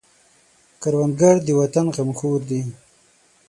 کروندګر د وطن غمخور دی